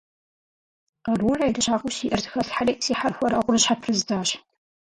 Къарурэ ерыщагъыу сиӏэр зэхэслъхьэри, си хьэрхуэрэгъур щхьэпрыздзащ.